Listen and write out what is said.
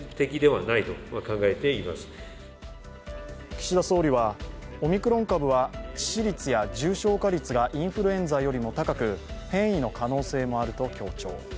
岸田総理は、オミクロン株は致死率や重症化率がインフルエンザよりも高く変異の可能性もあると強調。